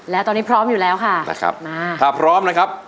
และตอนนี้พร้อมอยู่แล้วค่ะนะครับมาถ้าพร้อมนะครับ